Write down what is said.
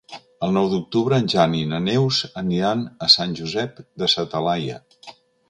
El nou d'octubre en Jan i na Neus aniran a Sant Josep de sa Talaia.